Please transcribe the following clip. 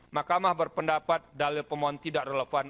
mahkamah berpendapat dalil pemohon tidak relevan